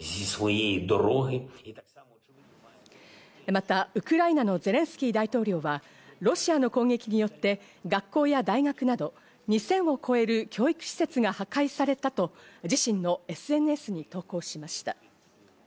またウクライナのゼレンスキー大統領はロシアの攻撃によって学校や大学など２０００を超える教育施設が破壊されたと自身のＳＮＳに投稿しました。